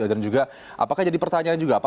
dan juga apakah jadi pertanyaan juga